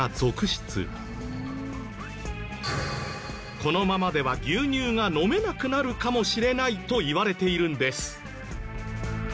このままでは牛乳が飲めなくなるかもしれないと言われているんです。